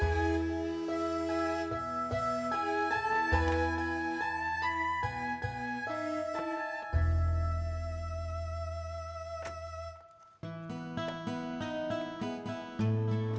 kalau digtig katanya ada musim p cops